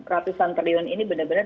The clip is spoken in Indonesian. ratusan triliun ini benar benar